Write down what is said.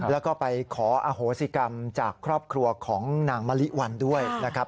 แล้วก็ไปขออโหสิกรรมจากครอบครัวของนางมะลิวันด้วยนะครับ